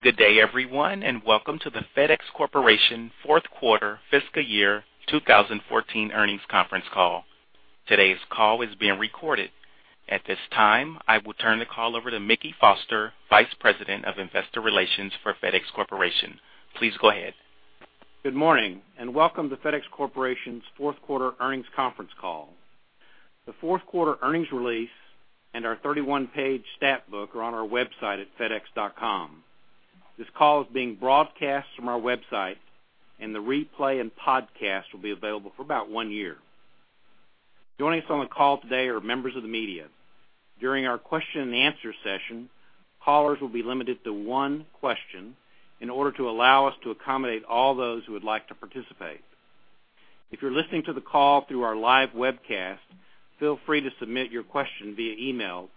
Good day, everyone, and welcome to the FedEx Corporation Fourth Quarter Fiscal Year 2014 Earnings Conference call. Today's call is being recorded. At this time, I will turn the call over to Mickey Foster, Vice President of Investor Relations for FedEx Corporation. Please go ahead. Good morning, and welcome to FedEx Corporation's Fourth Quarter Earnings Conference call. The Fourth Quarter Earnings release and our 31-page stat book are on our website at fedex.com. This call is being broadcast from our website, and the replay and podcast will be available for about one year. Joining us on the call today are members of the media. During our question-and-answer session, callers will be limited to one question in order to allow us to accommodate all those who would like to participate. If you're listening to the call through our live webcast, feel free to submit your question via email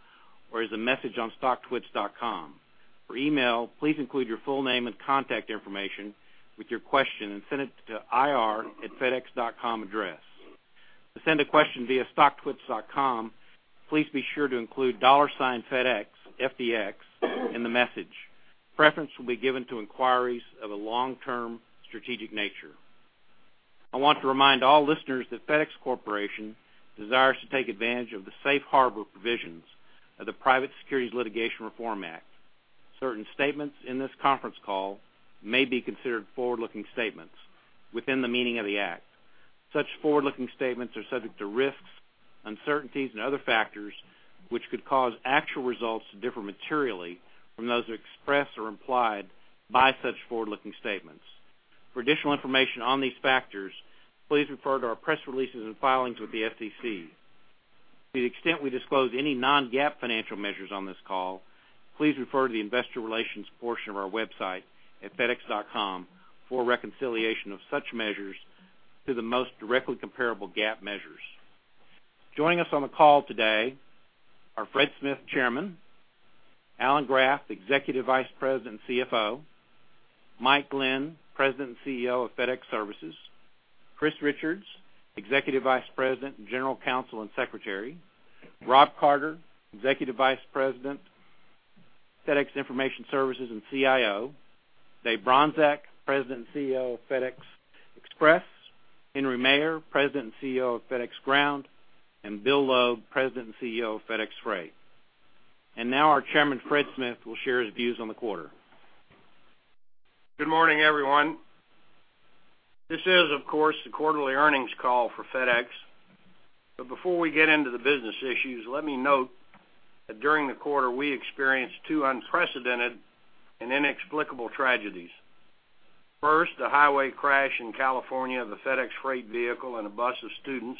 or as a message on stocktwits.com. For email, please include your full name and contact information with your question and send it to ir@fedex.com address. To send a question via stocktwits.com, please be sure to include dollar sign FedEx, FDX, in the message. Preference will be given to inquiries of a long-term strategic nature. I want to remind all listeners that FedEx Corporation desires to take advantage of the safe harbor provisions of the Private Securities Litigation Reform Act. Certain statements in this conference call may be considered forward-looking statements within the meaning of the act. Such forward-looking statements are subject to risks, uncertainties, and other factors which could cause actual results to differ materially from those expressed or implied by such forward-looking statements. For additional information on these factors, please refer to our press releases and filings with the SEC. To the extent we disclose any non-GAAP financial measures on this call, please refer to the investor relations portion of our website at fedex.com for reconciliation of such measures to the most directly comparable GAAP measures. Joining us on the call today are Fred Smith, Chairman, Alan Graf, Executive Vice President and CFO, Mike Glenn, President and CEO of FedEx Services, Chris Richards, Executive Vice President, General Counsel, and Secretary, Rob Carter, Executive Vice President, FedEx Information Services and CIO, Dave Bronczek, President and CEO of FedEx Express, Henry Maier, President and CEO of FedEx Ground, and Bill Logue, President and CEO of FedEx Freight. Now our Chairman Fred Smith will share his views on the quarter. Good morning, everyone. This is, of course, the quarterly earnings call for FedEx. But before we get into the business issues, let me note that during the quarter we experienced two unprecedented and inexplicable tragedies. First, the highway crash in California of a FedEx Freight vehicle and a bus of students,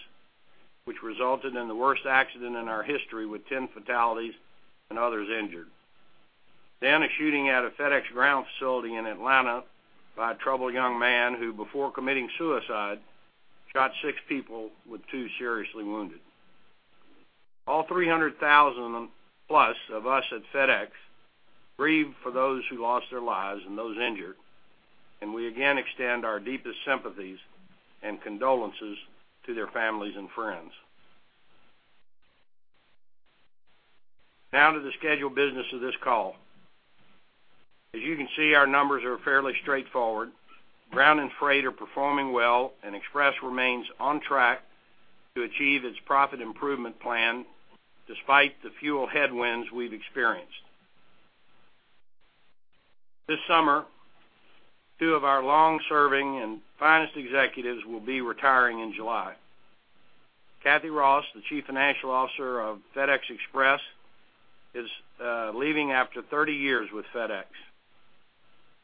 which resulted in the worst accident in our history with 10 fatalities and others injured. Then a shooting at a FedEx Ground facility in Atlanta by a troubled young man who, before committing suicide, shot six people with two seriously wounded. All 300,000+ of us at FedEx grieve for those who lost their lives and those injured, and we again extend our deepest sympathies and condolences to their families and friends. Now to the scheduled business of this call. As you can see, our numbers are fairly straightforward. Ground and Freight are performing well, and Express remains on track to achieve its profit improvement plan despite the fuel headwinds we've experienced. This summer, two of our long-serving and finest executives will be retiring in July. Cathy Ross, the Chief Financial Officer of FedEx Express, is leaving after 30 years with FedEx.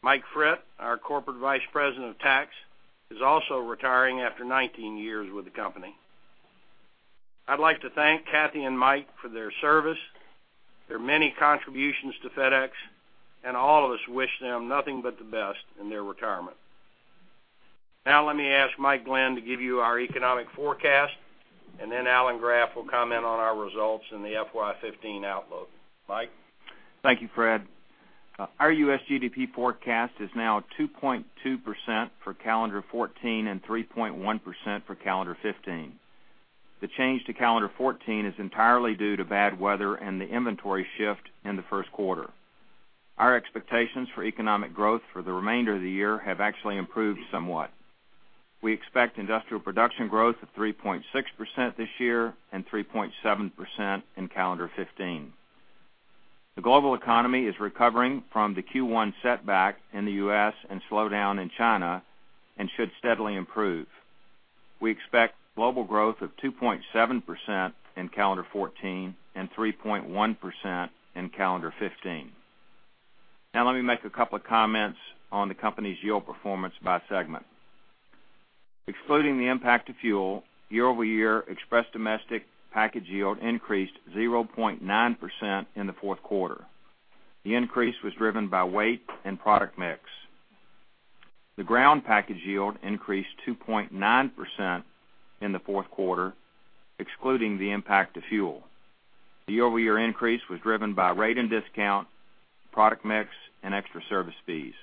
Mike Fitts, our Corporate Vice President of Tax, is also retiring after 19 years with the company. I'd like to thank Cathy and Mike for their service, their many contributions to FedEx, and all of us wish them nothing but the best in their retirement. Now let me ask Mike Glenn to give you our economic forecast, and then Alan Graf will comment on our results in the FY15 outlook. Mike. Thank you, Fred. Our U.S. GDP forecast is now 2.2% for calendar 2014 and 3.1% for calendar 2015. The change to calendar 2014 is entirely due to bad weather and the inventory shift in the first quarter. Our expectations for economic growth for the remainder of the year have actually improved somewhat. We expect industrial production growth of 3.6% this year and 3.7% in calendar 2015. The global economy is recovering from the Q1 setback in the U.S. and slowdown in China and should steadily improve. We expect global growth of 2.7% in calendar 2014 and 3.1% in calendar 2015. Now let me make a couple of comments on the company's yield performance by segment. Excluding the impact of fuel, year-over-year Express domestic package yield increased 0.9% in the fourth quarter. The increase was driven by weight and product mix. The Ground package yield increased 2.9% in the fourth quarter, excluding the impact of fuel. The year-over-year increase was driven by rate and discount, product mix, and extra service fees.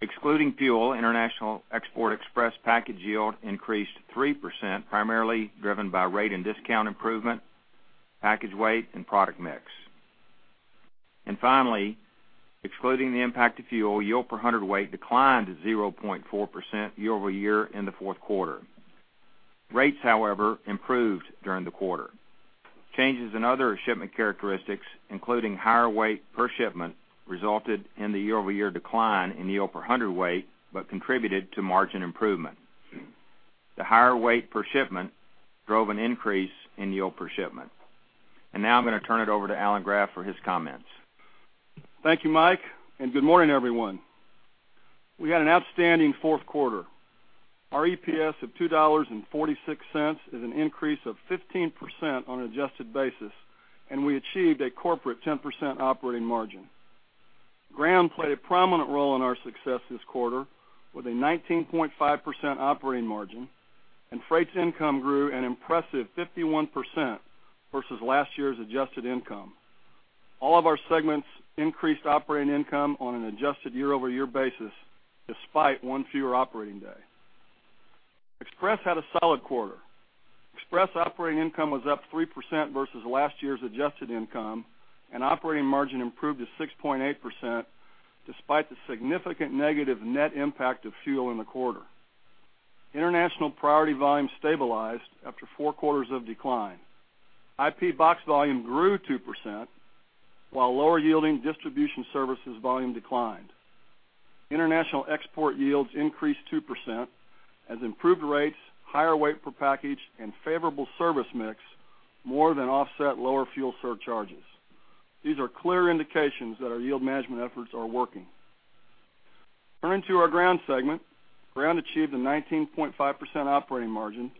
Excluding fuel, international export Express package yield increased 3%, primarily driven by rate and discount improvement, package weight, and product mix. And finally, excluding the impact of fuel, yield per hundredweight declined 0.4% year-over-year in the fourth quarter. Rates, however, improved during the quarter. Changes in other shipment characteristics, including higher weight per shipment, resulted in the year-over-year decline in yield per hundredweight but contributed to margin improvement. The higher weight per shipment drove an increase in yield per shipment. And now I'm going to turn it over to Alan Graf for his comments. Thank you, Mike, and good morning, everyone. We had an outstanding fourth quarter. Our EPS of $2.46 is an increase of 15% on an adjusted basis, and we achieved a corporate 10% operating margin. Ground played a prominent role in our success this quarter with a 19.5% operating margin, and Freight's income grew an impressive 51% versus last year's adjusted income. All of our segments increased operating income on an adjusted year-over-year basis despite one fewer operating day. Express had a solid quarter. Express operating income was up 3% versus last year's adjusted income, and operating margin improved to 6.8% despite the significant negative net impact of fuel in the quarter. International Priority volume stabilized after four quarters of decline. IP Box volume grew 2%, while lower yielding distribution services volume declined. International export yields increased 2% as improved rates, higher weight per package, and favorable service mix more than offset lower fuel surcharges. These are clear indications that our yield management efforts are working. Turning to our Ground segment, Ground achieved a 19.5% operating margin,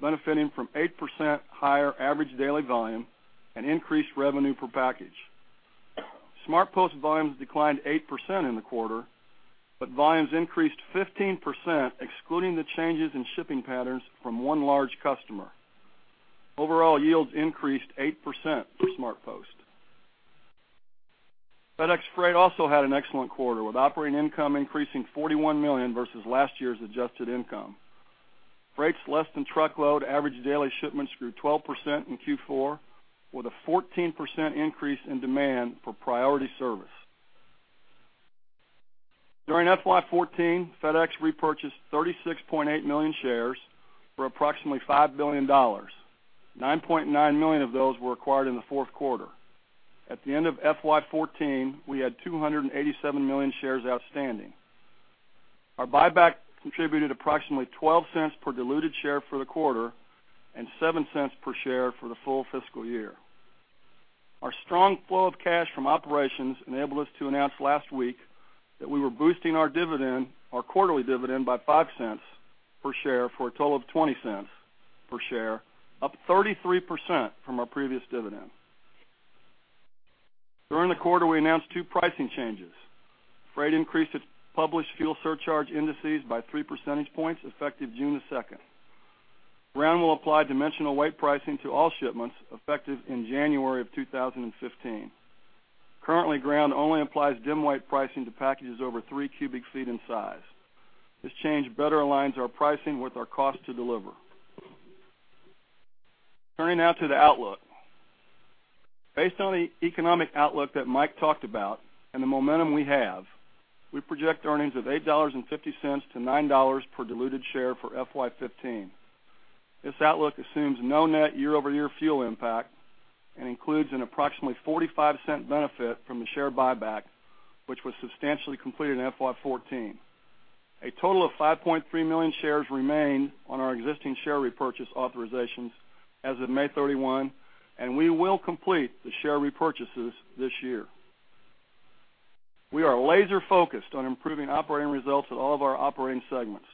benefiting from 8% higher average daily volume and increased revenue per package. SmartPost volumes declined 8% in the quarter, but volumes increased 15% excluding the changes in shipping patterns from one large customer. Overall, yields increased 8% for SmartPost. FedEx Freight also had an excellent quarter with operating income increasing $41 million versus last year's adjusted income. Freight's less-than-truckload average daily shipments grew 12% in Q4 with a 14% increase in demand for Priority service. During FY14, FedEx repurchased 36.8 million shares for approximately $5 billion. 9.9 million of those were acquired in the fourth quarter. At the end of FY14, we had 287 million shares outstanding. Our buyback contributed approximately $0.12 per diluted share for the quarter and $0.07 per share for the full fiscal year. Our strong flow of cash from operations enabled us to announce last week that we were boosting our quarterly dividend by $0.05 per share for a total of $0.20 per share, up 33% from our previous dividend. During the quarter, we announced two pricing changes. Freight increased its published fuel surcharge indices by three percentage points effective June 2nd. Ground will apply dimensional weight pricing to all shipments effective in January 2015. Currently, Ground only applies dim weight pricing to packages over 3 cubic feet in size. This change better aligns our pricing with our cost to deliver. Turning now to the outlook. Based on the economic outlook that Mike talked about and the momentum we have, we project earnings of $8.50-$9 per diluted share for FY15. This outlook assumes no net year-over-year fuel impact and includes an approximately $0.45 benefit from the share buyback, which was substantially completed in FY14. A total of 5.3 million shares remain on our existing share repurchase authorizations as of May 31, and we will complete the share repurchases this year. We are laser-focused on improving operating results at all of our operating segments.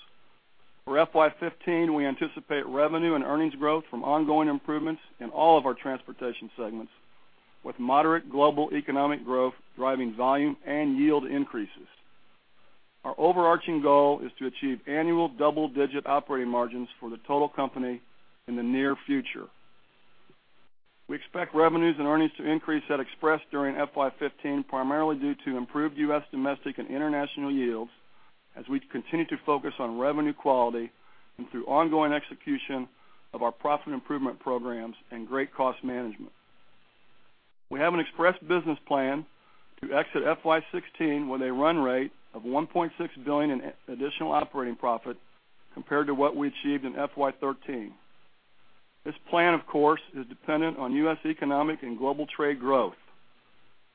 For FY15, we anticipate revenue and earnings growth from ongoing improvements in all of our transportation segments, with moderate global economic growth driving volume and yield increases. Our overarching goal is to achieve annual double-digit operating margins for the total company in the near future. We expect revenues and earnings to increase at Express during FY15, primarily due to improved U.S. domestic and international yields as we continue to focus on revenue quality and through ongoing execution of our profit improvement programs and great cost management. We have an Express business plan to exit FY16 with a run rate of $1.6 billion in additional operating profit compared to what we achieved in FY13. This plan, of course, is dependent on U.S. economic and global trade growth.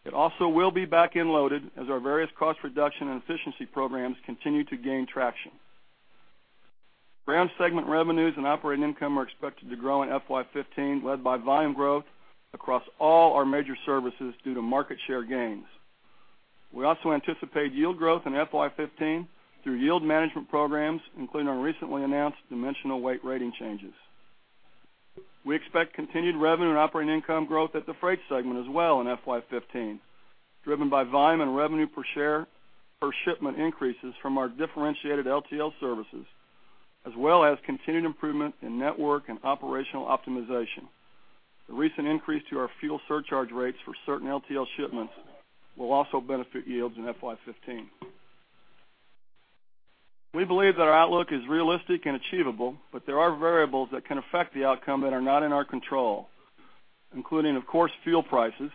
It also will be back-loaded as our various cost reduction and efficiency programs continue to gain traction. Ground segment revenues and operating income are expected to grow in FY15, led by volume growth across all our major services due to market share gains. We also anticipate yield growth in FY15 through yield management programs, including our recently announced dimensional weight rating changes. We expect continued revenue and operating income growth at the freight segment as well in FY15, driven by volume and revenue per share per shipment increases from our differentiated LTL services, as well as continued improvement in network and operational optimization. The recent increase to our fuel surcharge rates for certain LTL shipments will also benefit yields in FY15. We believe that our outlook is realistic and achievable, but there are variables that can affect the outcome that are not in our control, including, of course, fuel prices,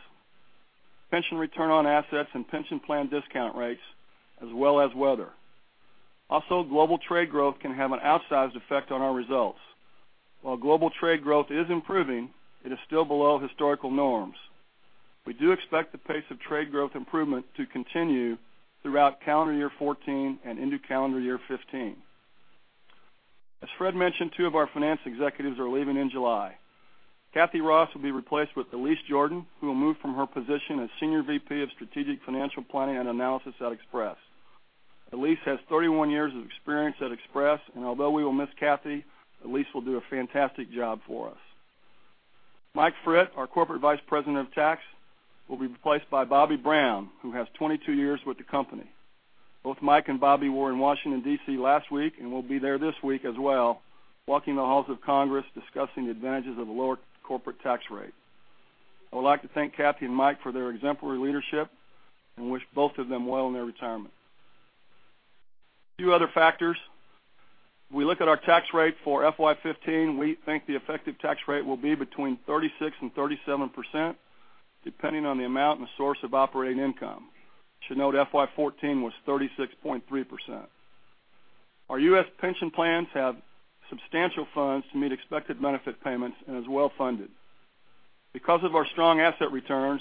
pension return on assets, and pension plan discount rates, as well as weather. Also, global trade growth can have an outsized effect on our results. While global trade growth is improving, it is still below historical norms. We do expect the pace of trade growth improvement to continue throughout calendar year 2014 and into calendar year 2015. As Fred mentioned, two of our finance executives are leaving in July. Cathy Ross will be replaced with Alice Jordan, who will move from her position as Senior VP of Strategic Financial Planning and Analysis at Express. Alice has 31 years of experience at Express, and although we will miss Cathy, Alice will do a fantastic job for us. Mike Fitts, our Corporate Vice President of Tax, will be replaced by Bobby Brown, who has 22 years with the company. Both Mike and Bobby were in Washington, D.C. last week and will be there this week as well, walking the halls of Congress discussing the advantages of a lower corporate tax rate. I would like to thank Cathy and Mike for their exemplary leadership and wish both of them well in their retirement. A few other factors. If we look at our tax rate for FY15, we think the effective tax rate will be between 36% and 37%, depending on the amount and the source of operating income. I should note FY14 was 36.3%. Our U.S. pension plans have substantial funds to meet expected benefit payments and are well funded. Because of our strong asset returns,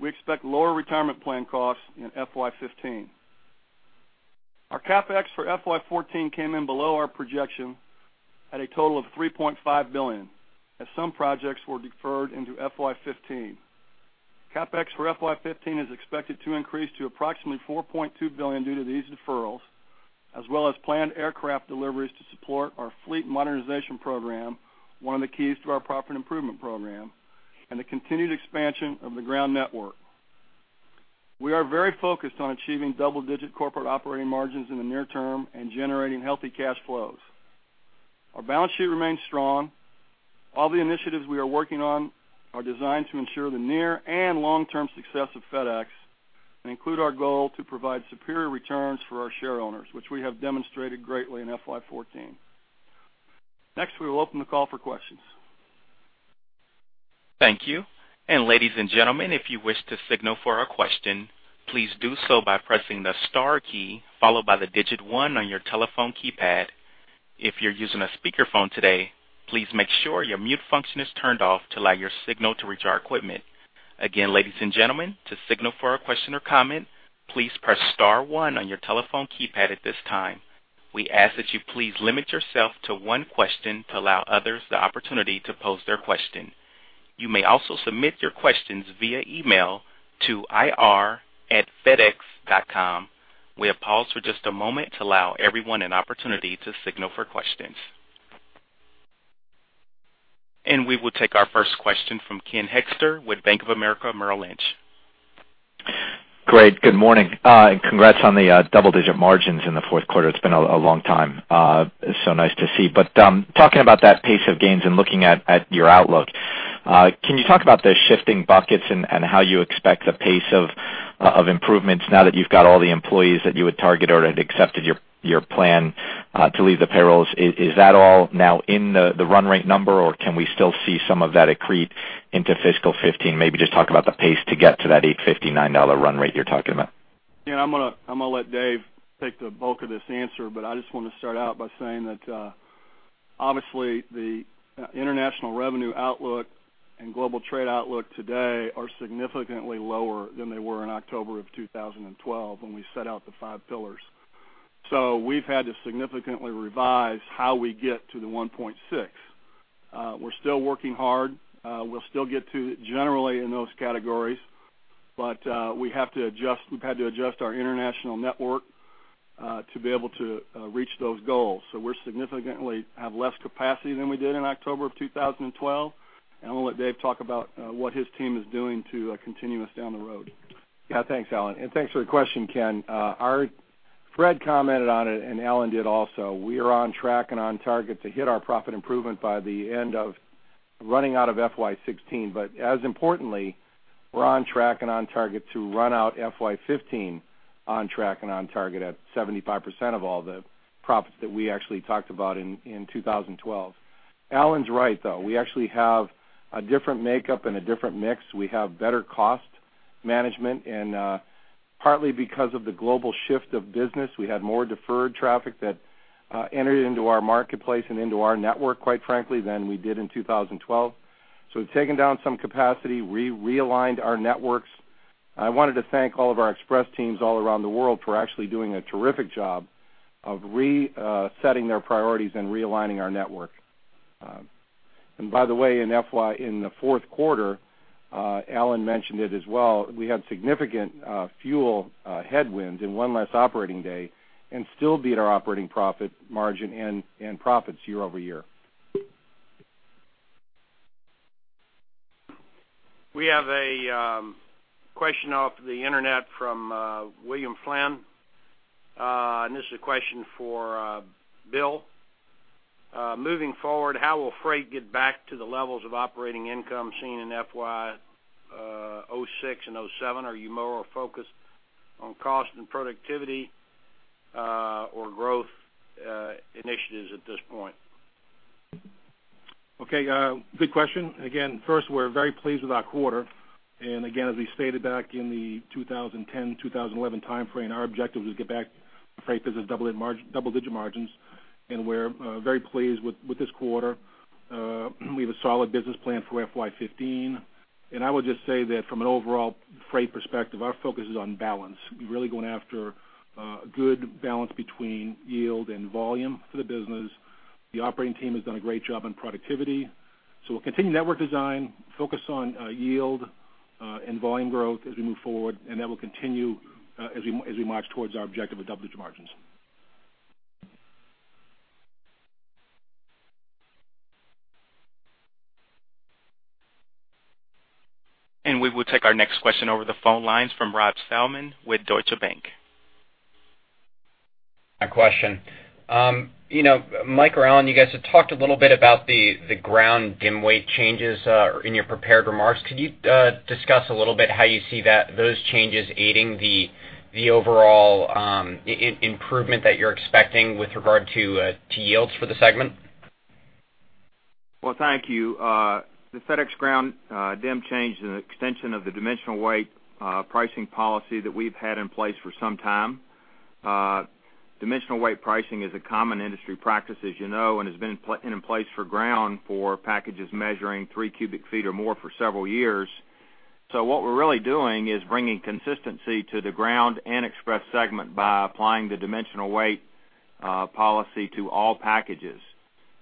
we expect lower retirement plan costs in FY15. Our CapEx for FY14 came in below our projection at a total of $3.5 billion, as some projects were deferred into FY15. CapEx for FY15 is expected to increase to approximately $4.2 billion due to these deferrals, as well as planned aircraft deliveries to support our fleet modernization program, one of the keys to our profit improvement program, and the continued expansion of the Ground network. We are very focused on achieving double-digit corporate operating margins in the near term and generating healthy cash flows. Our balance sheet remains strong. All the initiatives we are working on are designed to ensure the near and long-term success of FedEx and include our goal to provide superior returns for our shareholders, which we have demonstrated greatly in FY2014. Next, we will open the call for questions. Thank you. Ladies and gentlemen, if you wish to signal for a question, please do so by pressing the star key followed by the digit one on your telephone keypad. If you're using a speakerphone today, please make sure your mute function is turned off to allow your signal to reach our equipment. Again, ladies and gentlemen, to signal for a question or comment, please press star one on your telephone keypad at this time. We ask that you please limit yourself to one question to allow others the opportunity to pose their question. You may also submit your questions via email to ir@fedex.com. We have paused for just a moment to allow everyone an opportunity to signal for questions. We will take our first question from Ken Hoexter with Bank of America Merrill Lynch. Great. Good morning. And congrats on the double-digit margins in the fourth quarter. It's been a long time. It's so nice to see. But talking about that pace of gains and looking at your outlook, can you talk about the shifting buckets and how you expect the pace of improvements now that you've got all the employees that you had targeted or had accepted your plan to leave the payrolls? Is that all now in the run rate number, or can we still see some of that accrete into fiscal 2015? Maybe just talk about the pace to get to that $8.59 run rate you're talking about. Yeah. I'm going to let Dave take the bulk of this answer, but I just want to start out by saying that, obviously, the international revenue outlook and global trade outlook today are significantly lower than they were in October of 2012 when we set out the five pillars. So we've had to significantly revise how we get to the 1.6. We're still working hard. We'll still get to it generally in those categories, but we have to adjust. We've had to adjust our international network to be able to reach those goals. So we significantly have less capacity than we did in October of 2012. And I'm going to let Dave talk about what his team is doing to continue us down the road. Yeah. Thanks, Alan. And thanks for the question, Ken. Fred commented on it, and Alan did also. We are on track and on target to hit our profit improvement by the end of running out of FY16. But as importantly, we're on track and on target to run out FY15 on track and on target at 75% of all the profits that we actually talked about in 2012. Alan's right, though. We actually have a different makeup and a different mix. We have better cost management, and partly because of the global shift of business, we had more deferred traffic that entered into our marketplace and into our network, quite frankly, than we did in 2012. So we've taken down some capacity, realigned our networks. I wanted to thank all of our Express teams all around the world for actually doing a terrific job of resetting their priorities and realigning our network. And by the way, in the fourth quarter, Alan mentioned it as well, we had significant fuel headwinds and one less operating day and still beat our operating profit margin and profits year-over-year. We have a question off the internet from William Flynn, and this is a question for Bill. Moving forward, how will Freight get back to the levels of operating income seen in FY2006 and FY2007? Are you more focused on cost and productivity or growth initiatives at this point? Okay. Good question. Again, first, we're very pleased with our quarter. Again, as we stated back in the 2010, 2011 timeframe, our objective was to get back Freight business double-digit margins. We're very pleased with this quarter. We have a solid business plan for FY15. I would just say that from an overall Freight perspective, our focus is on balance. We're really going after a good balance between yield and volume for the business. The operating team has done a great job on productivity. We'll continue network design, focus on yield and volume growth as we move forward, and that will continue as we march towards our objective of double-digit margins. We will take our next question over the phone lines from Rob Salmon with Deutsche Bank. My question. Mike or Alan, you guys had talked a little bit about the Ground dim weight changes in your prepared remarks. Could you discuss a little bit how you see those changes aiding the overall improvement that you're expecting with regard to yields for the segment? Well, thank you. The FedEx Ground dim change is an extension of the dimensional weight pricing policy that we've had in place for some time. Dimensional weight pricing is a common industry practice, as you know, and has been in place for Ground for packages measuring three cubic feet or more for several years. So what we're really doing is bringing consistency to the Ground and Express segment by applying the dimensional weight policy to all packages.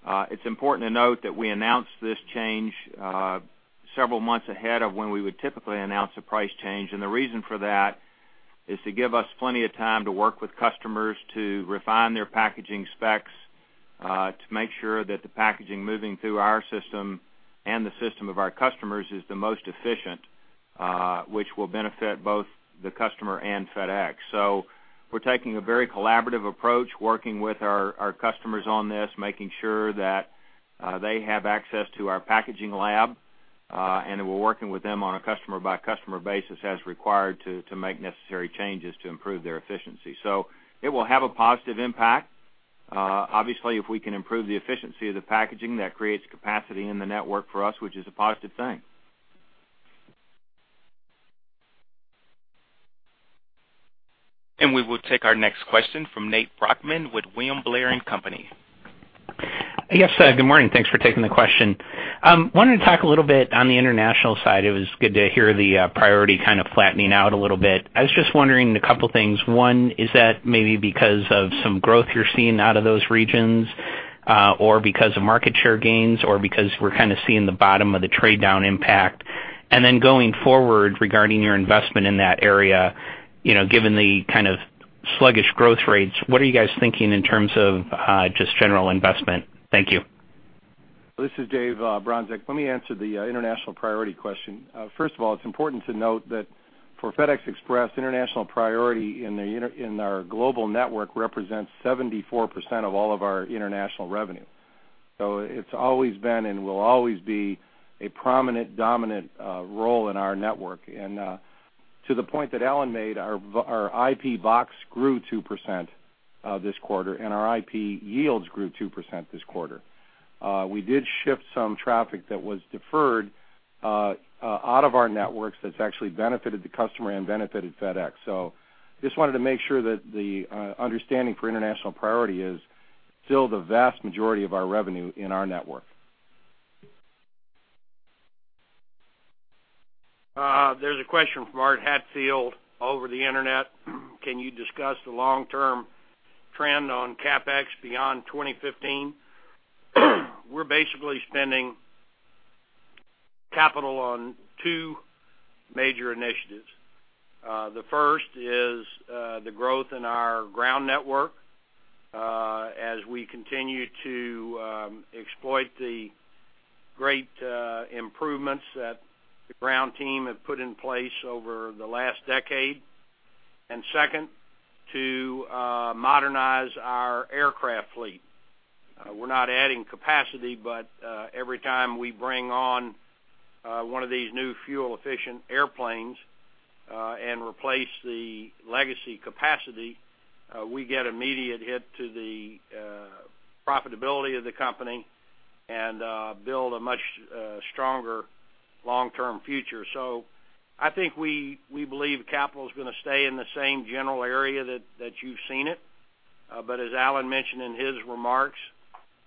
It's important to note that we announced this change several months ahead of when we would typically announce a price change. The reason for that is to give us plenty of time to work with customers to refine their packaging specs to make sure that the packaging moving through our system and the system of our customers is the most efficient, which will benefit both the customer and FedEx. So we're taking a very collaborative approach, working with our customers on this, making sure that they have access to our packaging lab, and we're working with them on a customer-by-customer basis as required to make necessary changes to improve their efficiency. So it will have a positive impact. Obviously, if we can improve the efficiency of the packaging, that creates capacity in the network for us, which is a positive thing. We will take our next question from Nate Brochmann with William Blair & Company. Yes. Good morning. Thanks for taking the question. Wanted to talk a little bit on the international side. It was good to hear the Priority kind of flattening out a little bit. I was just wondering a couple of things. One, is that maybe because of some growth you're seeing out of those regions, or because of market share gains, or because we're kind of seeing the bottom of the trade-down impact? And then going forward regarding your investment in that area, given the kind of sluggish growth rates, what are you guys thinking in terms of just general investment? Thank you. This is Dave Bronczek. Let me answer the international priority question. First of all, it's important to note that for FedEx Express, international priority in our global network represents 74% of all of our international revenue. So it's always been and will always be a prominent, dominant role in our network. And to the point that Alan made, our IP box grew 2% this quarter, and our IP yields grew 2% this quarter. We did shift some traffic that was deferred out of our networks that's actually benefited the customer and benefited FedEx. So just wanted to make sure that the understanding for international priority is still the vast majority of our revenue in our network. There's a question from Art Hatfield over the internet. Can you discuss the long-term trend on CapEx beyond 2015? We're basically spending capital on two major initiatives. The first is the growth in our Ground network as we continue to exploit the great improvements that the Ground team have put in place over the last decade. Second, to modernize our aircraft fleet. We're not adding capacity, but every time we bring on one of these new fuel-efficient airplanes and replace the legacy capacity, we get immediate hit to the profitability of the company and build a much stronger long-term future. So I think we believe capital is going to stay in the same general area that you've seen it. But as Alan mentioned in his remarks,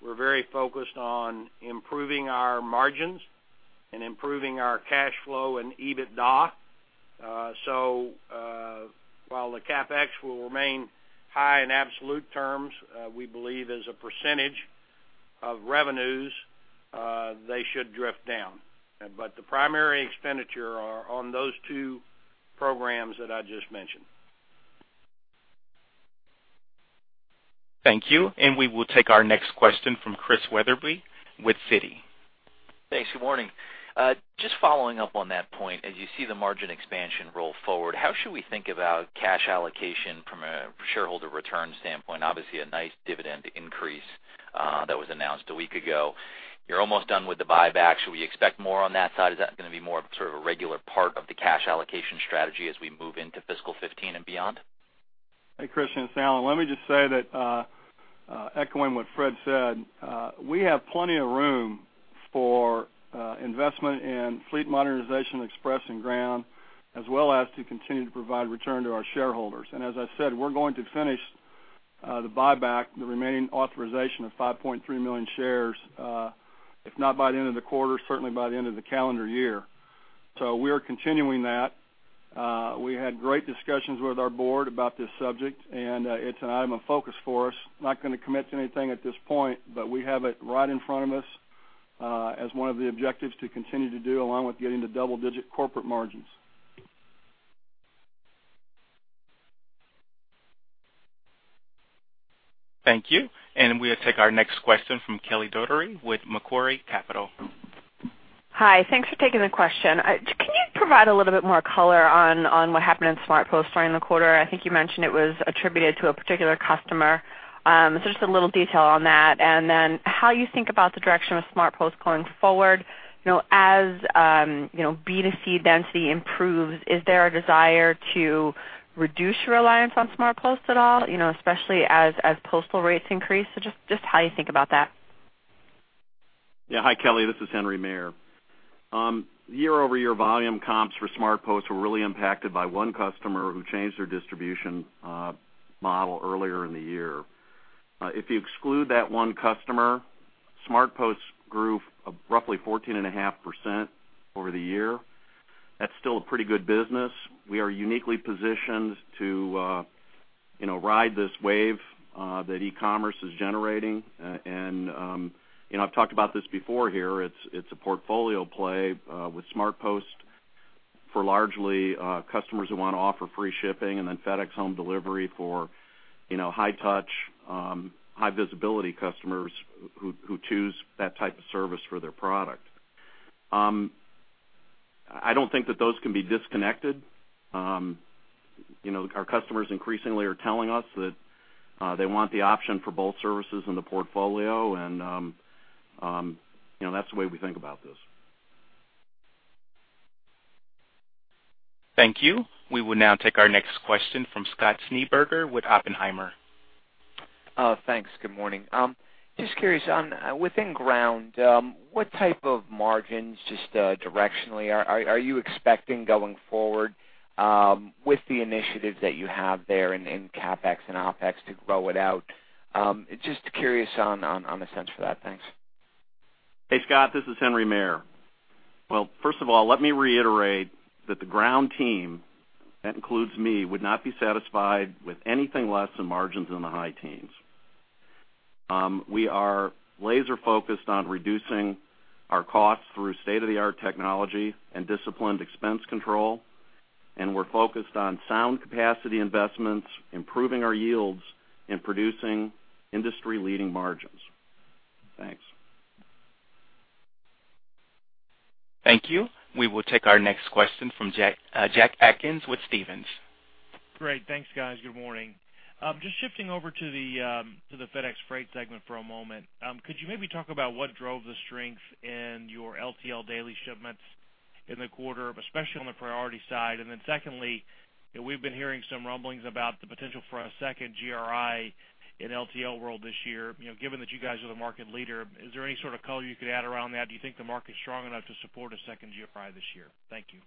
we're very focused on improving our margins and improving our cash flow and EBITDA. While the CapEx will remain high in absolute terms, we believe as a percentage of revenues, they should drift down. But the primary expenditure are on those two programs that I just mentioned. Thank you. We will take our next question from Chris Wetherbee with Citi. Thanks. Good morning. Just following up on that point, as you see the margin expansion roll forward, how should we think about cash allocation from a shareholder return standpoint? Obviously, a nice dividend increase that was announced a week ago. You're almost done with the buyback. Should we expect more on that side? Is that going to be more of sort of a regular part of the cash allocation strategy as we move into fiscal 2015 and beyond? Hey, Christian. It's Alan. Let me just say that echoing what Fred said, we have plenty of room for investment in fleet modernization, Express, and Ground, as well as to continue to provide return to our shareholders. And as I said, we're going to finish the buyback, the remaining authorization of 5.3 million shares, if not by the end of the quarter, certainly by the end of the calendar year. So we are continuing that. We had great discussions with our board about this subject, and it's an item of focus for us. Not going to commit to anything at this point, but we have it right in front of us as one of the objectives to continue to do, along with getting the double-digit corporate margins. Thank you. We will take our next question from Kelly Dougherty with Macquarie Capital. Hi. Thanks for taking the question. Can you provide a little bit more color on what happened in SmartPost during the quarter? I think you mentioned it was attributed to a particular customer. So just a little detail on that. And then how you think about the direction of SmartPost going forward. As B2C density improves, is there a desire to reduce your reliance on SmartPost at all, especially as postal rates increase? So just how you think about that. Yeah. Hi, Kelly. This is Henry Maier. Year-over-year volume comps for SmartPost were really impacted by one customer who changed their distribution model earlier in the year. If you exclude that one customer, SmartPost grew roughly 14.5% over the year. That's still a pretty good business. We are uniquely positioned to ride this wave that e-commerce is generating. And I've talked about this before here. It's a portfolio play with SmartPost for largely customers who want to offer free shipping and then FedEx Home Delivery for high-touch, high-visibility customers who choose that type of service for their product. I don't think that those can be disconnected. Our customers increasingly are telling us that they want the option for both services in the portfolio, and that's the way we think about this. Thank you. We will now take our next question from Scott Schneeberger with Oppenheimer. Thanks. Good morning. Just curious, within ground, what type of margins just directionally are you expecting going forward with the initiatives that you have there in CapEx and OpEx to grow it out? Just curious on a sense for that. Thanks. Hey, Scott. This is Henry Maier. Well, first of all, let me reiterate that the Ground team, that includes me, would not be satisfied with anything less than margins in the high teens. We are laser-focused on reducing our costs through state-of-the-art technology and disciplined expense control, and we're focused on sound capacity investments, improving our yields, and producing industry-leading margins. Thanks. Thank you. We will take our next question from Jack Atkins with Stephens. Great. Thanks, guys. Good morning. Just shifting over to the FedEx Freight segment for a moment, could you maybe talk about what drove the strength in your LTL daily shipments in the quarter, especially on the priority side? And then secondly, we've been hearing some rumblings about the potential for a second GRI in LTL world this year. Given that you guys are the market leader, is there any sort of color you could add around that? Do you think the market's strong enough to support a second GRI this year? Thank you.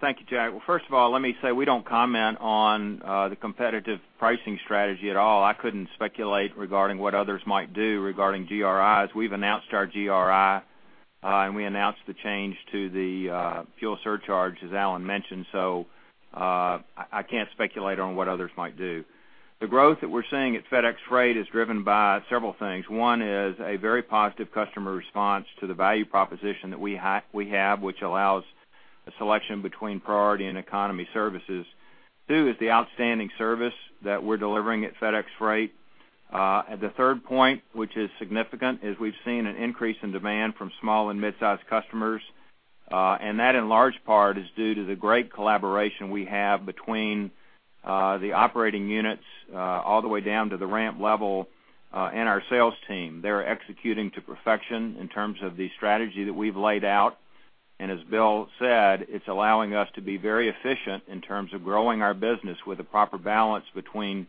Thank you, Jack. Well, first of all, let me say we don't comment on the competitive pricing strategy at all. I couldn't speculate regarding what others might do regarding GRIs. We've announced our GRI, and we announced the change to the fuel surcharge, as Alan mentioned. So I can't speculate on what others might do. The growth that we're seeing at FedEx Freight is driven by several things. One is a very positive customer response to the value proposition that we have, which allows a selection between Priority and Economy services. Two is the outstanding service that we're delivering at FedEx Freight. And the third point, which is significant, is we've seen an increase in demand from small and mid-sized customers. And that, in large part, is due to the great collaboration we have between the operating units all the way down to the ramp level and our sales team. They're executing to perfection in terms of the strategy that we've laid out. As Bill said, it's allowing us to be very efficient in terms of growing our business with a proper balance between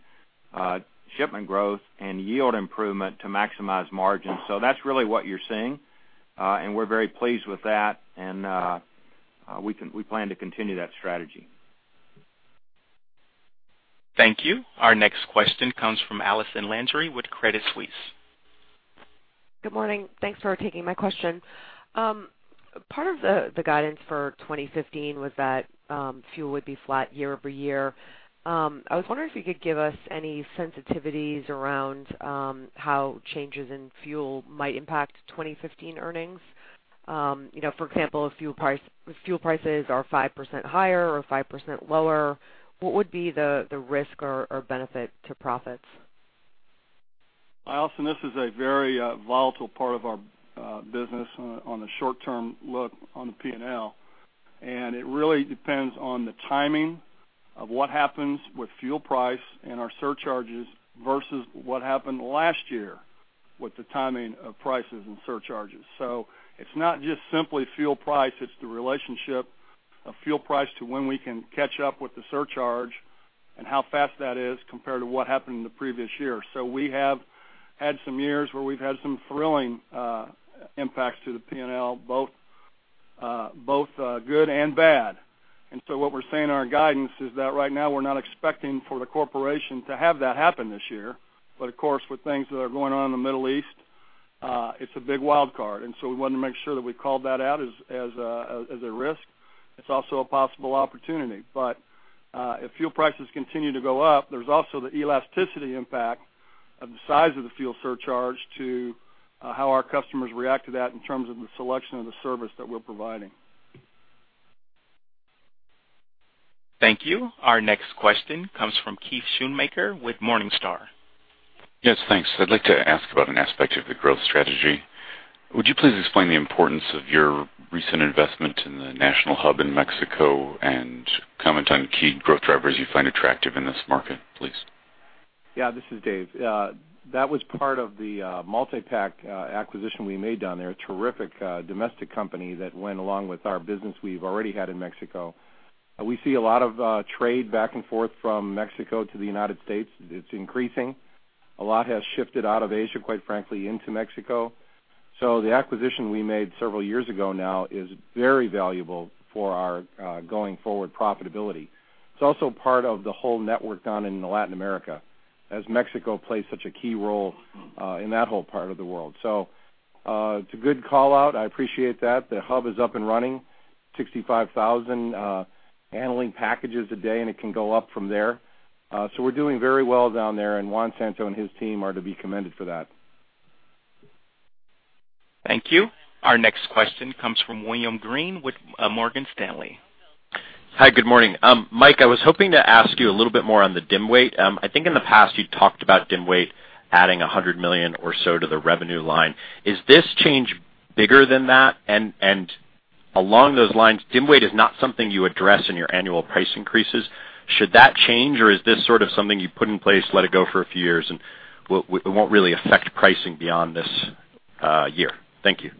shipment growth and yield improvement to maximize margins. That's really what you're seeing, and we're very pleased with that, and we plan to continue that strategy. Thank you. Our next question comes from Allison Landry with Credit Suisse. Good morning. Thanks for taking my question. Part of the guidance for 2015 was that fuel would be flat year-over-year. I was wondering if you could give us any sensitivities around how changes in fuel might impact 2015 earnings. For example, if fuel prices are 5% higher or 5% lower, what would be the risk or benefit to profits? Allison, this is a very volatile part of our business on the short-term look on the P&L, and it really depends on the timing of what happens with fuel price and our surcharges versus what happened last year with the timing of prices and surcharges. So it's not just simply fuel price. It's the relationship of fuel price to when we can catch up with the surcharge and how fast that is compared to what happened in the previous year. So we have had some years where we've had some thrilling impacts to the P&L, both good and bad. And so what we're saying in our guidance is that right now we're not expecting for the corporation to have that happen this year. But of course, with things that are going on in the Middle East, it's a big wild card. We wanted to make sure that we called that out as a risk. It's also a possible opportunity. But if fuel prices continue to go up, there's also the elasticity impact of the size of the fuel surcharge to how our customers react to that in terms of the selection of the service that we're providing. Thank you. Our next question comes from Keith Schoonmaker with Morningstar. Yes. Thanks. I'd like to ask about an aspect of the growth strategy. Would you please explain the importance of your recent investment in the National Hub in Mexico and comment on key growth drivers you find attractive in this market, please? Yeah. This is Dave. That was part of the MultiPack acquisition we made down there, a terrific domestic company that went along with our business we've already had in Mexico. We see a lot of trade back and forth from Mexico to the United States. It's increasing. A lot has shifted out of Asia, quite frankly, into Mexico. So the acquisition we made several years ago now is very valuable for our going-forward profitability. It's also part of the whole network down in Latin America as Mexico plays such a key role in that whole part of the world. So it's a good call out. I appreciate that. The hub is up and running, 65,000 handling packages a day, and it can go up from there. So we're doing very well down there, and Juan Cento and his team are to be commended for that. Thank you. Our next question comes from William Greene with Morgan Stanley. Hi. Good morning. Mike, I was hoping to ask you a little bit more on the dim weight. I think in the past you talked about dim weight adding $100 million or so to the revenue line. Is this change bigger than that? And along those lines, dim weight is not something you address in your annual price increases. Should that change, or is this sort of something you put in place, let it go for a few years, and it won't really affect pricing beyond this year? Thank you.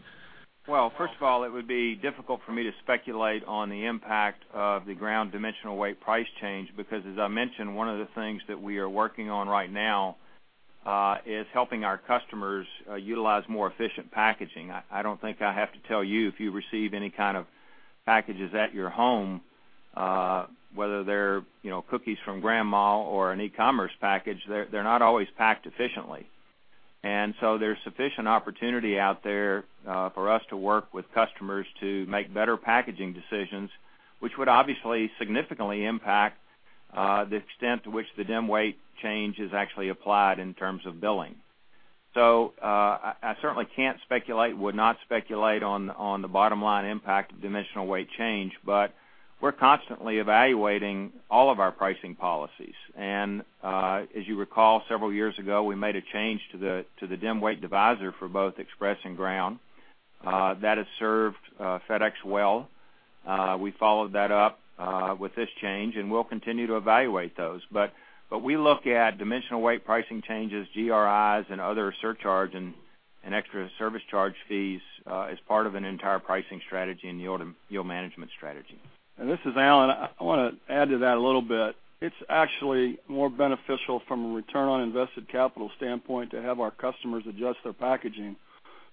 Well, first of all, it would be difficult for me to speculate on the impact of the ground dimensional weight price change because, as I mentioned, one of the things that we are working on right now is helping our customers utilize more efficient packaging. I don't think I have to tell you if you receive any kind of packages at your home, whether they're cookies from Grandma or an e-commerce package, they're not always packed efficiently. And so there's sufficient opportunity out there for us to work with customers to make better packaging decisions, which would obviously significantly impact the extent to which the dim weight change is actually applied in terms of billing. So I certainly can't speculate, would not speculate on the bottom-line impact of dimensional weight change, but we're constantly evaluating all of our pricing policies. As you recall, several years ago, we made a change to the dim weight divisor for both Express and ground. That has served FedEx well. We followed that up with this change, and we'll continue to evaluate those. We look at dimensional weight pricing changes, GRIs, and other surcharge and extra service charge fees as part of an entire pricing strategy and yield management strategy. And this is Alan. I want to add to that a little bit. It's actually more beneficial from a return on invested capital standpoint to have our customers adjust their packaging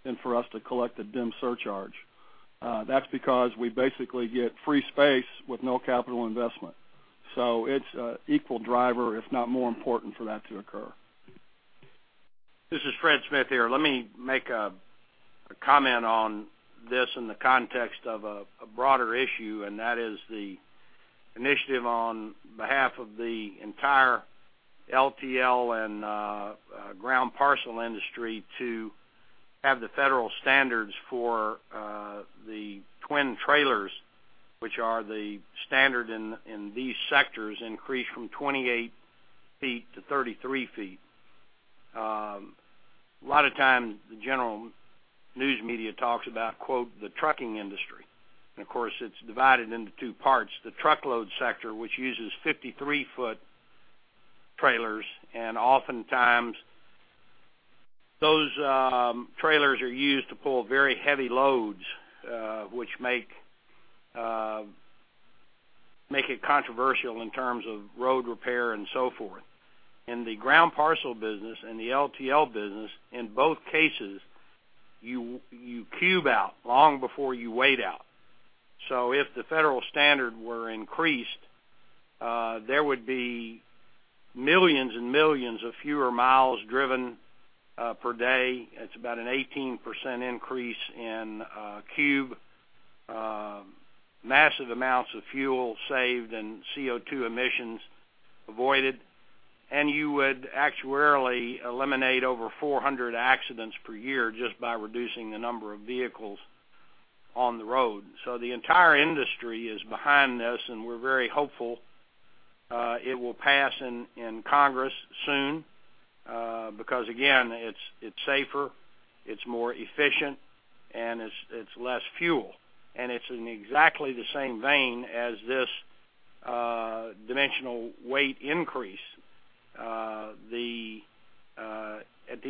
than for us to collect a Dim surcharge. That's because we basically get free space with no capital investment. It's an equal driver, if not more important, for that to occur. This is Fred Smith here. Let me make a comment on this in the context of a broader issue, and that is the initiative on behalf of the entire LTL and ground parcel industry to have the federal standards for the twin trailers, which are the standard in these sectors, increased from 28 feet to 33 feet. A lot of times, the general news media talks about, "The trucking industry." And of course, it's divided into two parts: the truckload sector, which uses 53-foot trailers, and oftentimes those trailers are used to pull very heavy loads, which make it controversial in terms of road repair and so forth. In the ground parcel business and the LTL business, in both cases, you cube out long before you weight out. So if the federal standard were increased, there would be millions and millions of fewer miles driven per day. It's about an 18% increase in cube, massive amounts of fuel saved and CO2 emissions avoided. You would actuarially eliminate over 400 accidents per year just by reducing the number of vehicles on the road. The entire industry is behind this, and we're very hopeful it will pass in Congress soon because, again, it's safer, it's more efficient, and it's less fuel. It's in exactly the same vein as this dimensional weight increase. At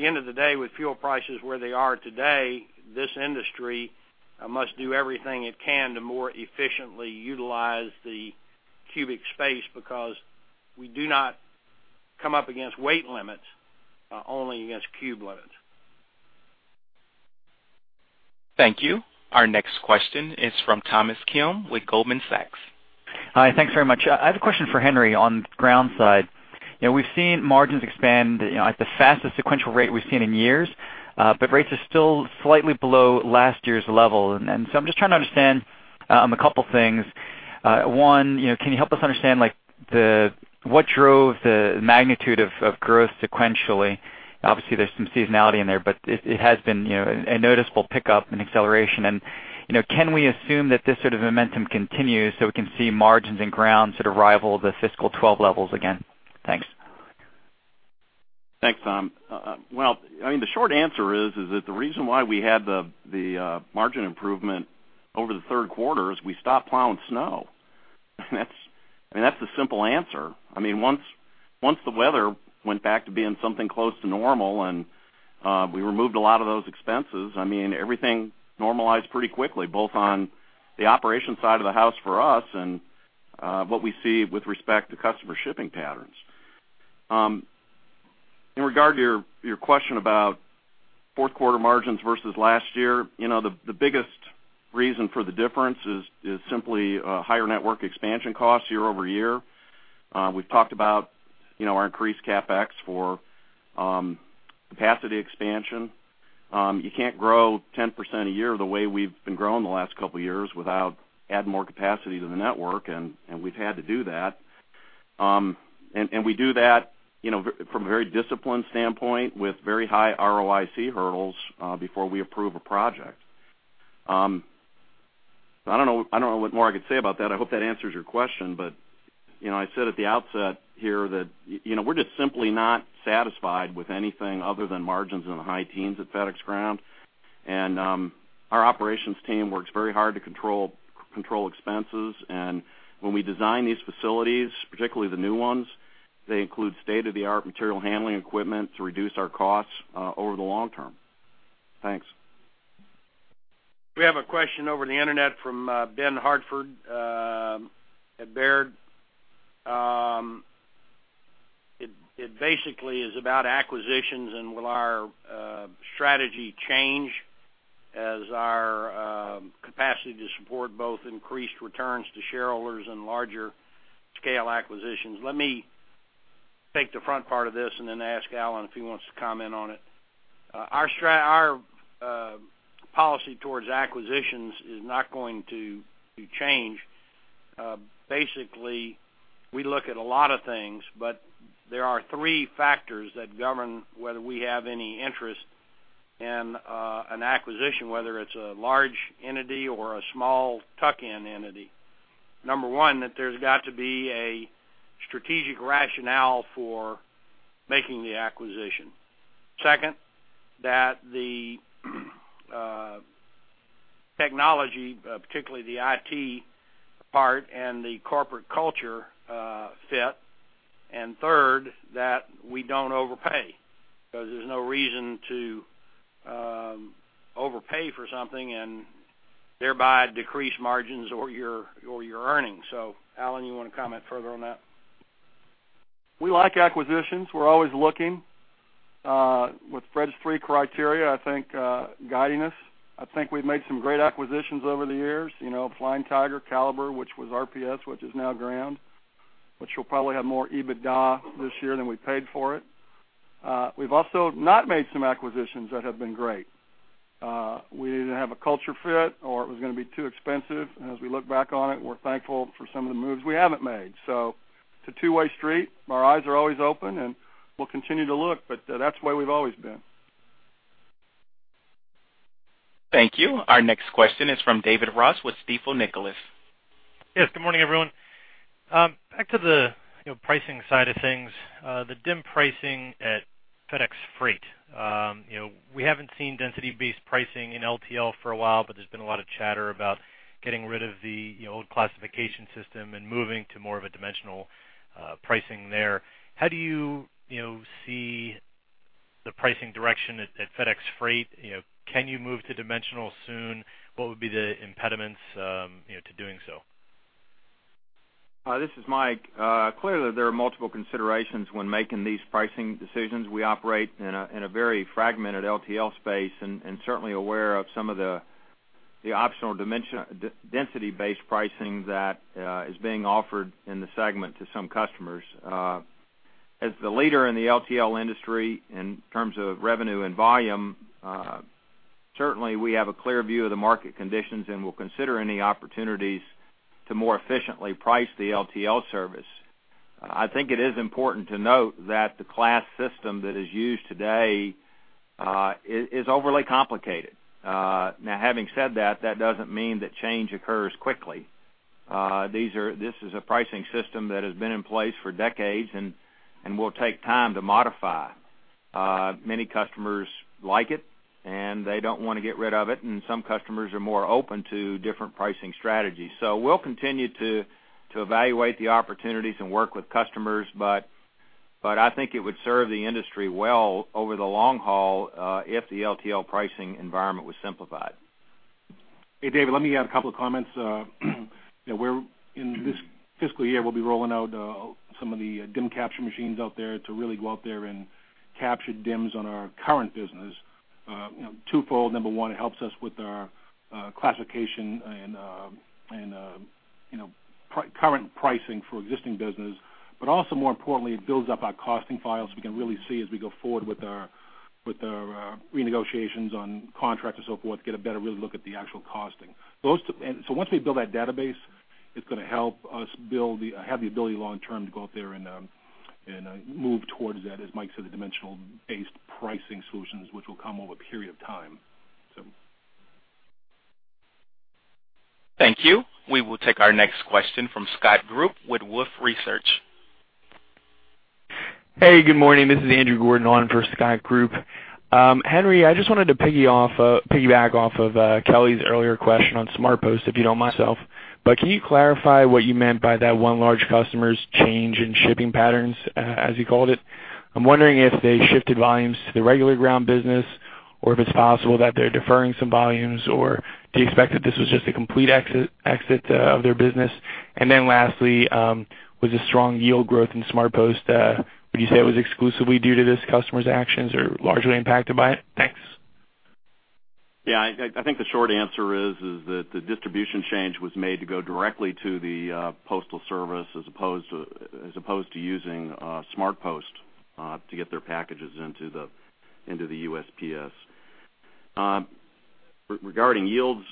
the end of the day, with fuel prices where they are today, this industry must do everything it can to more efficiently utilize the cubic space because we do not come up against weight limits, only against cube limits. Thank you. Our next question is from Tom Kim with Goldman Sachs. Hi. Thanks very much. I have a question for Henry on the ground side. We've seen margins expand at the fastest sequential rate we've seen in years, but rates are still slightly below last year's level. So I'm just trying to understand a couple of things. One, can you help us understand what drove the magnitude of growth sequentially? Obviously, there's some seasonality in there, but it has been a noticeable pickup and acceleration. And can we assume that this sort of momentum continues so we can see margins and ground sort of rival the fiscal 2012 levels again? Thanks. Thanks, Tom. Well, I mean, the short answer is that the reason why we had the margin improvement over the third quarter is we stopped plowing snow. I mean, that's the simple answer. I mean, once the weather went back to being something close to normal and we removed a lot of those expenses, I mean, everything normalized pretty quickly, both on the operation side of the house for us and what we see with respect to customer shipping patterns. In regard to your question about fourth-quarter margins versus last year, the biggest reason for the difference is simply higher network expansion costs year-over-year. We've talked about our increased CapEx for capacity expansion. You can't grow 10% a year the way we've been growing the last couple of years without adding more capacity to the network, and we've had to do that. We do that from a very disciplined standpoint with very high ROIC hurdles before we approve a project. I don't know what more I could say about that. I hope that answers your question, but I said at the outset here that we're just simply not satisfied with anything other than margins in the high teens at FedEx Ground. Our operations team works very hard to control expenses. When we design these facilities, particularly the new ones, they include state-of-the-art material handling equipment to reduce our costs over the long term. Thanks. We have a question over the internet from Ben Hartford at Baird. It basically is about acquisitions and will our strategy change as our capacity to support both increased returns to shareholders and larger-scale acquisitions? Let me take the front part of this and then ask Alan if he wants to comment on it. Our policy towards acquisitions is not going to change. Basically, we look at a lot of things, but there are three factors that govern whether we have any interest in an acquisition, whether it's a large entity or a small tuck-in entity. Number one, that there's got to be a strategic rationale for making the acquisition. Second, that the technology, particularly the IT part and the corporate culture fit. And third, that we don't overpay because there's no reason to overpay for something and thereby decrease margins or your earnings. So Alan, you want to comment further on that? We like acquisitions. We're always looking with Fred's three criteria, I think, guiding us. I think we've made some great acquisitions over the years: Flying Tiger, Caliber, which was RPS, which is now Ground, which will probably have more EBITDA this year than we paid for it. We've also not made some acquisitions that have been great. We either have a culture fit or it was going to be too expensive. And as we look back on it, we're thankful for some of the moves we haven't made. So it's a two-way street. Our eyes are always open, and we'll continue to look, but that's the way we've always been. Thank you. Our next question is from David Ross with Stifel Nicolaus. Yes. Good morning, everyone. Back to the pricing side of things, the Dim pricing at FedEx Freight. We haven't seen density-based pricing in LTL for a while, but there's been a lot of chatter about getting rid of the old classification system and moving to more of a dimensional pricing there. How do you see the pricing direction at FedEx Freight? Can you move to dimensional soon? What would be the impediments to doing so? This is Mike. Clearly, there are multiple considerations when making these pricing decisions. We operate in a very fragmented LTL space and certainly aware of some of the optional density-based pricing that is being offered in the segment to some customers. As the leader in the LTL industry in terms of revenue and volume, certainly we have a clear view of the market conditions and will consider any opportunities to more efficiently price the LTL service. I think it is important to note that the class system that is used today is overly complicated. Now, having said that, that doesn't mean that change occurs quickly. This is a pricing system that has been in place for decades and will take time to modify. Many customers like it, and they don't want to get rid of it. And some customers are more open to different pricing strategies. So we'll continue to evaluate the opportunities and work with customers, but I think it would serve the industry well over the long haul if the LTL pricing environment was simplified. Hey, David, let me add a couple of comments. In this fiscal year, we'll be rolling out some of the dim capture machines out there to really go out there and capture Dims on our current business. Twofold, number one, it helps us with our classification and current pricing for existing business, but also, more importantly, it builds up our costing file so we can really see as we go forward with our renegotiations on contracts and so forth, get a better really look at the actual costing. So once we build that database, it's going to help us have the ability long term to go out there and move towards that, as Mike said, the dimensional-based pricing solutions, which will come over a period of time. Thank you. We will take our next question from Scott Group with Wolfe Research. Hey, good morning. This is Andrew Gordon on for Scott Group. Henry, I just wanted to piggyback off of Kelly's earlier question on SmartPost, if you don't mind, but can you clarify what you meant by that one large customer's change in shipping patterns, as you called it? I'm wondering if they shifted volumes to the regular ground business or if it's possible that they're deferring some volumes, or do you expect that this was just a complete exit of their business? And then lastly, was the strong yield growth in SmartPost, would you say it was exclusively due to this customer's actions or largely impacted by it? Thanks. Yeah. I think the short answer is that the distribution change was made to go directly to the postal service as opposed to using SmartPost to get their packages into the USPS. Regarding yields,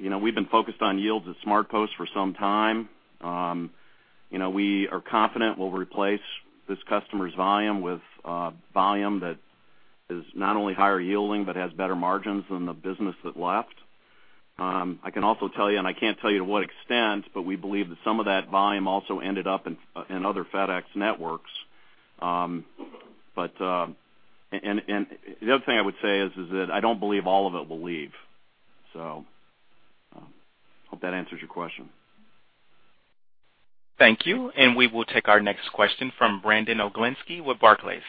we've been focused on yields at SmartPost for some time. We are confident we'll replace this customer's volume with volume that is not only higher yielding but has better margins than the business that left. I can also tell you, and I can't tell you to what extent, but we believe that some of that volume also ended up in other FedEx networks. And the other thing I would say is that I don't believe all of it will leave. So I hope that answers your question. Thank you. We will take our next question from Brandon Oglenski with Barclays.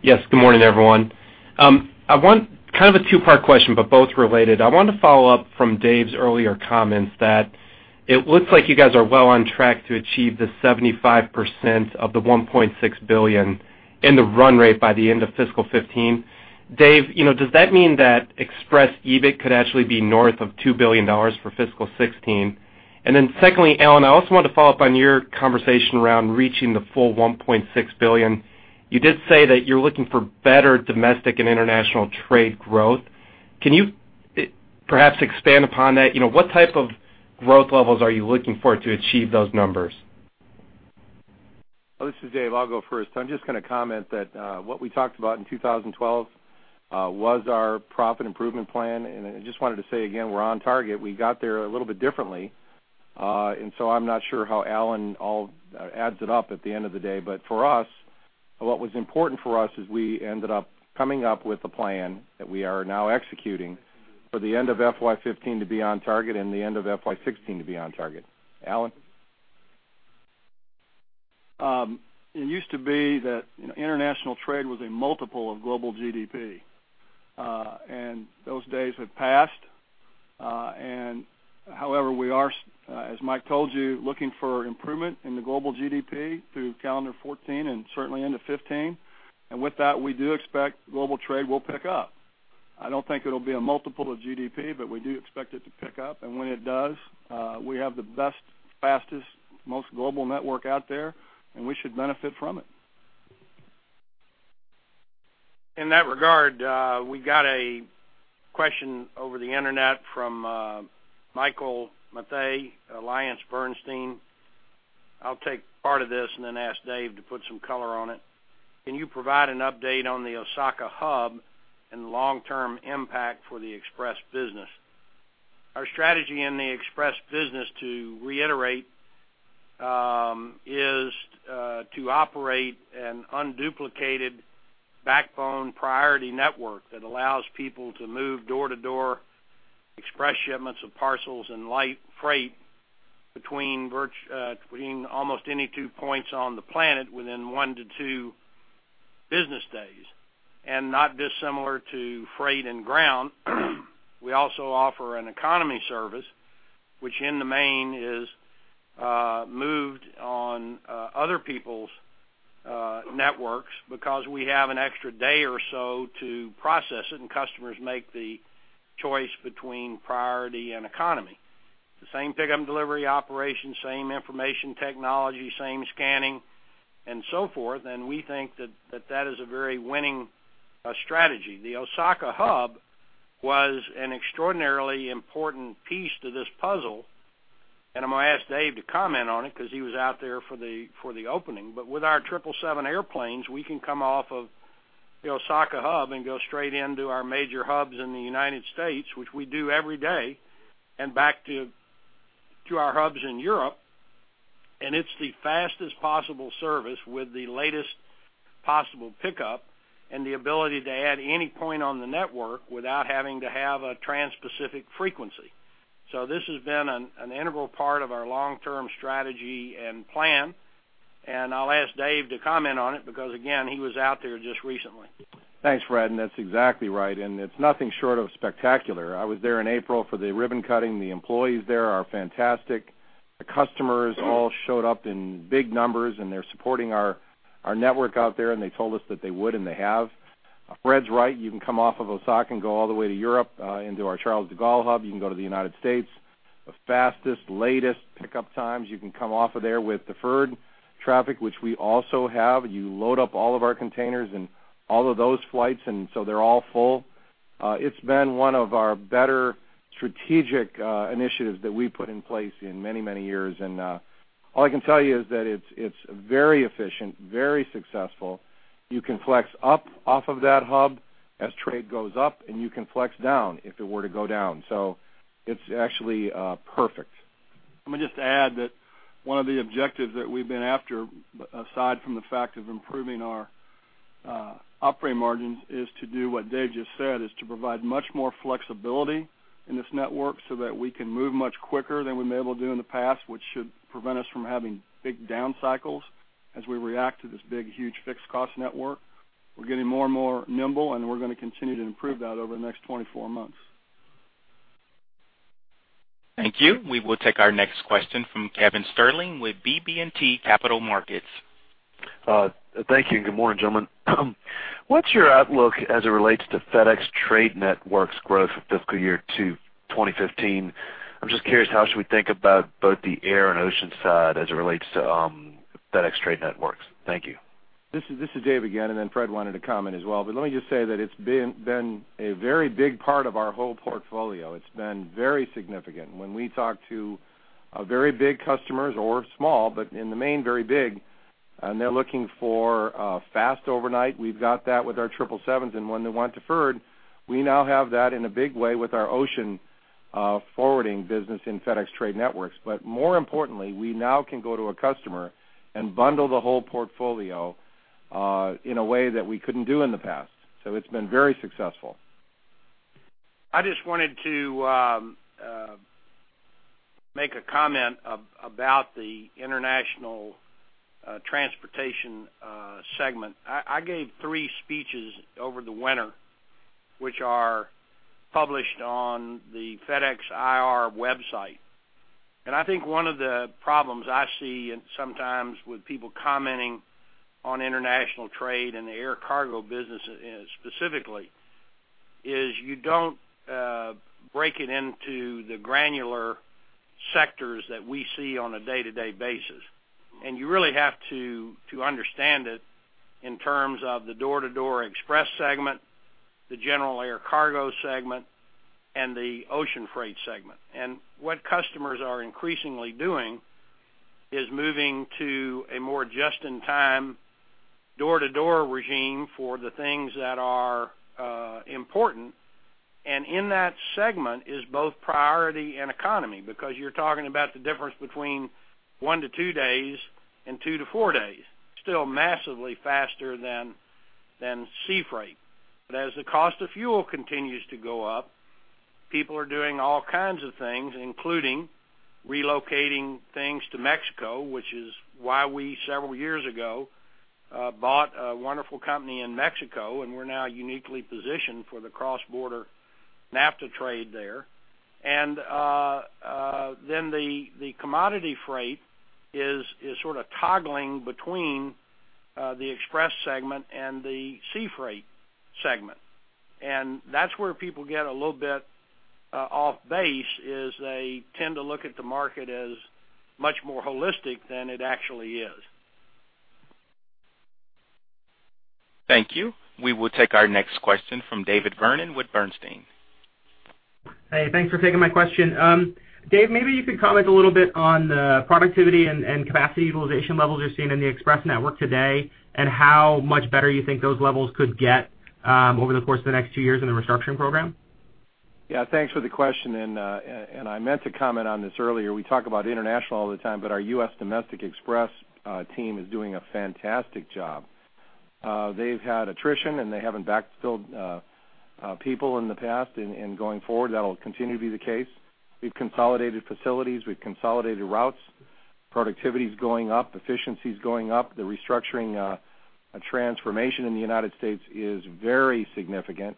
Yes. Good morning, everyone. I want kind of a two-part question, but both related. I want to follow up from Dave's earlier comments that it looks like you guys are well on track to achieve the 75% of the $1.6 billion in the run rate by the end of fiscal 2015. Dave, does that mean that express EBIT could actually be north of $2 billion for fiscal 2016? And then secondly, Alan, I also want to follow up on your conversation around reaching the full $1.6 billion. You did say that you're looking for better domestic and international trade growth. Can you perhaps expand upon that? What type of growth levels are you looking for to achieve those numbers? This is Dave. I'll go first. I'm just going to comment that what we talked about in 2012 was our profit improvement plan. I just wanted to say again, we're on target. We got there a little bit differently. So I'm not sure how Alan adds it up at the end of the day. But for us, what was important for us is we ended up coming up with a plan that we are now executing for the end of FY 2015 to be on target and the end of FY 2016 to be on target. Alan? It used to be that international trade was a multiple of global GDP. Those days have passed. However, we are, as Mike told you, looking for improvement in the global GDP through calendar 2014 and certainly into 2015. With that, we do expect global trade will pick up. I don't think it'll be a multiple of GDP, but we do expect it to pick up. When it does, we have the best, fastest, most global network out there, and we should benefit from it. In that regard, we got a question over the internet from Michael Mathey, AllianceBernstein. I'll take part of this and then ask Dave to put some color on it. Can you provide an update on the Osaka hub and long-term impact for the Express business? Our strategy in the Express business, to reiterate, is to operate an unduplicated backbone priority network that allows people to move door-to-door express shipments of parcels and light freight between almost any two points on the planet within one to two business days. And not dissimilar to Freight and Ground, we also offer an economy service, which in the main is moved on other people's networks because we have an extra day or so to process it, and customers make the choice between priority and economy. The same pickup and delivery operation, same information technology, same scanning, and so forth. We think that that is a very winning strategy. The Osaka hub was an extraordinarily important piece to this puzzle. I'm going to ask Dave to comment on it because he was out there for the opening. With our 777 airplanes, we can come off of the Osaka hub and go straight into our major hubs in the United States, which we do every day, and back to our hubs in Europe. It's the fastest possible service with the latest possible pickup and the ability to add any point on the network without having to have a trans-Pacific frequency. This has been an integral part of our long-term strategy and plan. I'll ask Dave to comment on it because, again, he was out there just recently. Thanks, Fred. That's exactly right. It's nothing short of spectacular. I was there in April for the ribbon cutting. The employees there are fantastic. The customers all showed up in big numbers, and they're supporting our network out there. They told us that they would, and they have. Fred's right. You can come off of Osaka and go all the way to Europe into our Charles de Gaulle hub. You can go to the United States. The fastest, latest pickup times. You can come off of there with deferred traffic, which we also have. You load up all of our containers and all of those flights, and so they're all full. It's been one of our better strategic initiatives that we've put in place in many, many years. All I can tell you is that it's very efficient, very successful. You can flex up off of that hub as trade goes up, and you can flex down if it were to go down. So it's actually perfect. I'm going to just add that one of the objectives that we've been after, aside from the fact of improving our operating margins, is to do what Dave just said, is to provide much more flexibility in this network so that we can move much quicker than we've been able to do in the past, which should prevent us from having big down cycles as we react to this big, huge fixed-cost network. We're getting more and more nimble, and we're going to continue to improve that over the next 24 months. Thank you. We will take our next question from Kevin Sterling with BB&T Capital Markets. Thank you. And good morning, gentlemen. What's your outlook as it relates to FedEx Trade Networks' growth for fiscal year 2015? I'm just curious, how should we think about both the air and ocean side as it relates to FedEx Trade Networks? Thank you. This is Dave again. And then Fred wanted to comment as well. But let me just say that it's been a very big part of our whole portfolio. It's been very significant. When we talk to very big customers or small, but in the main, very big, and they're looking for fast overnight, we've got that with our 777s. And when they want deferred, we now have that in a big way with our ocean forwarding business in FedEx Trade Networks. But more importantly, we now can go to a customer and bundle the whole portfolio in a way that we couldn't do in the past. So it's been very successful. I just wanted to make a comment about the international transportation segment. I gave 3 speeches over the winter, which are published on the FedEx IR website. I think one of the problems I see sometimes with people commenting on international trade and the air cargo business specifically is you don't break it into the granular sectors that we see on a day-to-day basis. You really have to understand it in terms of the door-to-door express segment, the general air cargo segment, and the ocean freight segment. What customers are increasingly doing is moving to a more just-in-time door-to-door regime for the things that are important. In that segment is both priority and economy because you're talking about the difference between 1-2 days and 2-4 days. Still massively faster than sea freight. As the cost of fuel continues to go up, people are doing all kinds of things, including relocating things to Mexico, which is why we several years ago bought a wonderful company in Mexico, and we're now uniquely positioned for the cross-border NAFTA trade there. Then the commodity freight is sort of toggling between the express segment and the sea freight segment. That's where people get a little bit off base is they tend to look at the market as much more holistic than it actually is. Thank you. We will take our next question from David Vernon with Bernstein. Hey, thanks for taking my question. Dave, maybe you could comment a little bit on the productivity and capacity utilization levels you're seeing in the Express network today and how much better you think those levels could get over the course of the next two years in the restructuring program? Yeah. Thanks for the question. I meant to comment on this earlier. We talk about international all the time, but our U.S. domestic Express team is doing a fantastic job. They've had attrition, and they haven't backfilled people in the past. Going forward, that'll continue to be the case. We've consolidated facilities. We've consolidated routes. Productivity is going up. Efficiency is going up. The restructuring transformation in the United States is very significant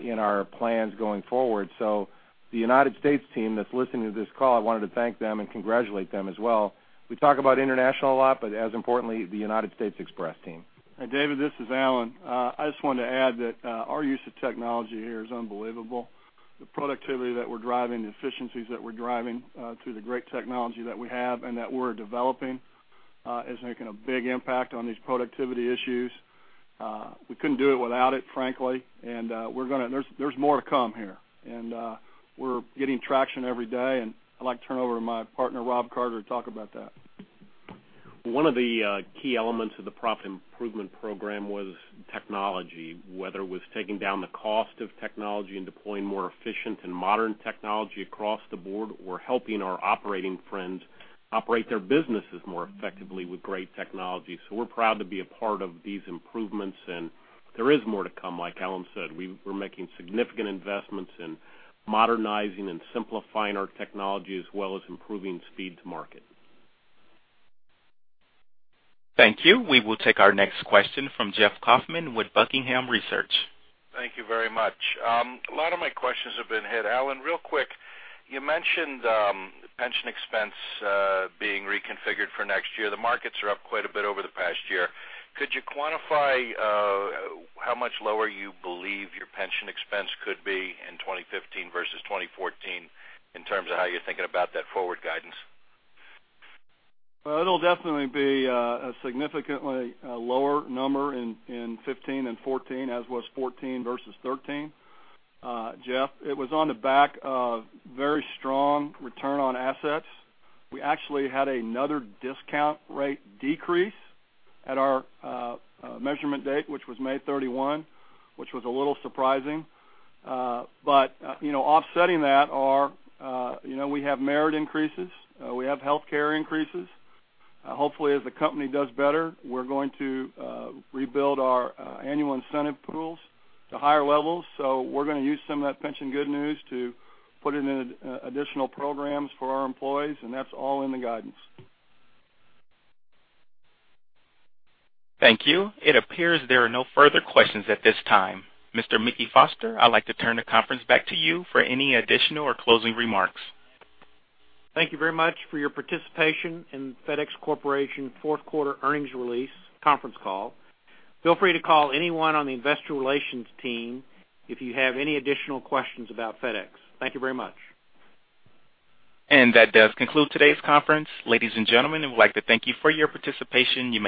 in our plans going forward. So the United States team that's listening to this call, I wanted to thank them and congratulate them as well. We talk about international a lot, but as importantly, the United States Express team. Hey, David, this is Alan. I just wanted to add that our use of technology here is unbelievable. The productivity that we're driving, the efficiencies that we're driving through the great technology that we have and that we're developing is making a big impact on these productivity issues. We couldn't do it without it, frankly. There's more to come here. We're getting traction every day. I'd like to turn over to my partner, Rob Carter, to talk about that. One of the key elements of the profit improvement program was technology, whether it was taking down the cost of technology and deploying more efficient and modern technology across the board or helping our operating friends operate their businesses more effectively with great technology. We're proud to be a part of these improvements. There is more to come, like Alan said. We're making significant investments in modernizing and simplifying our technology as well as improving speed to market. Thank you. We will take our next question from Jeff Kauffman with Buckingham Research. Thank you very much. A lot of my questions have been hit. Alan, real quick, you mentioned pension expense being reconfigured for next year. The markets are up quite a bit over the past year. Could you quantify how much lower you believe your pension expense could be in 2015 versus 2014 in terms of how you're thinking about that forward guidance? Well, it'll definitely be a significantly lower number in 2015 and 2014, as was 2014 versus 2013. Jeff, it was on the back of very strong return on assets. We actually had another discount rate decrease at our measurement date, which was May 31, which was a little surprising. But offsetting that, we have merit increases. We have healthcare increases. Hopefully, as the company does better, we're going to rebuild our annual incentive pools to higher levels. So we're going to use some of that pension good news to put it in additional programs for our employees. That's all in the guidance. Thank you. It appears there are no further questions at this time. Mr. Mickey Foster, I'd like to turn the conference back to you for any additional or closing remarks. Thank you very much for your participation in FedEx Corporation fourth-quarter earnings release conference call. Feel free to call anyone on the investor relations team if you have any additional questions about FedEx. Thank you very much. That does conclude today's conference. Ladies and gentlemen, we'd like to thank you for your participation. You.